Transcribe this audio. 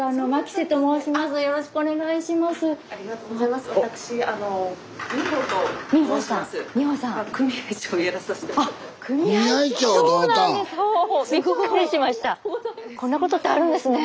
スタジオこんなことってあるんですね！